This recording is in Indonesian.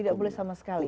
tidak boleh sama sekali